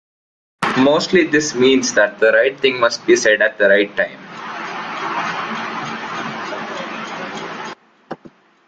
Mostly this means that the right thing must be said at the right time.